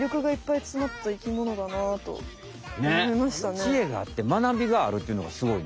知恵があって学びがあるっていうのがすごいな！